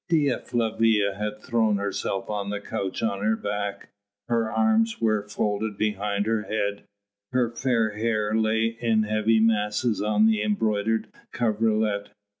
Dea Flavia had thrown herself on the couch on her back; her arms were folded behind her head, her fair hair lay in heavy masses on the embroidered coverlet.